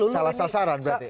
salah sasaran berarti